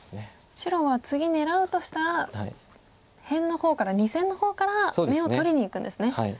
白は次狙うとしたら辺の方から２線の方から眼を取りにいくんですね。